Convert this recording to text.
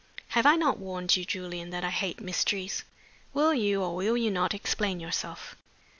"Have I not warned you, Julian, that I hate mysteries? Will you, or will you not, explain yourself?"